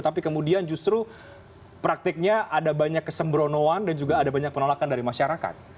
tapi kemudian justru praktiknya ada banyak kesembronoan dan juga ada banyak penolakan dari masyarakat